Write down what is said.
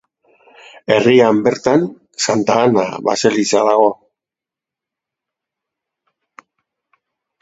Herrian bertan Santa Ana baseliza dago.